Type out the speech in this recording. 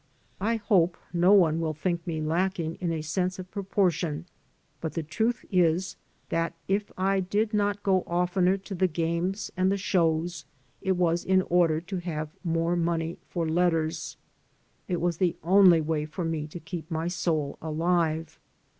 I hope no one will think me lacking in a sense of proportion, but the truth is that if I did not go of tener to the games and the shows it was in order to have more money for letters. It was the only way for me to keep my soul alive.